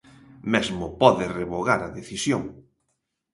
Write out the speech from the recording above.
Mesmo pode revogar a decisión.